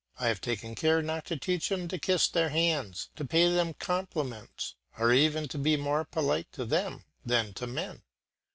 I have taken care not to teach him to kiss their hands, to pay them compliments, or even to be more polite to them than to men.